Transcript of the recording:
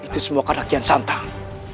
itu semua karena kian santai